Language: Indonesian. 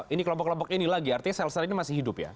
ini kelompok kelompok ini lagi artinya sel sel ini masih hidup ya